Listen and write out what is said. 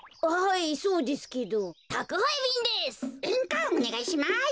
いんかんおねがいします。